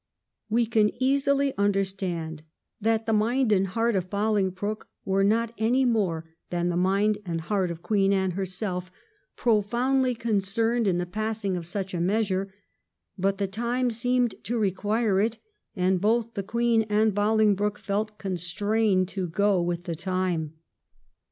We can easily understand that the mind and heart of Bohngbroke were not any more than the mind and heart of Queen Anne herself profoundly concerned in the passing of such a measure, but the time seemed to require it, and both the Queen and Bohng broke felt constrained to go with the time.